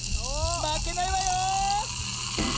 まけないわよ！